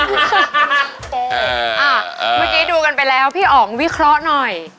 เมื่อกี้ดูกันไปแล้วพี่อ๋องวิเคราะห์หน่อย